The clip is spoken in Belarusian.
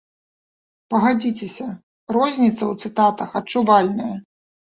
Пагадзіцеся, розніца ў цытатах адчувальная.